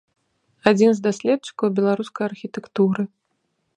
Адзін з даследчыкаў беларускай архітэктуры.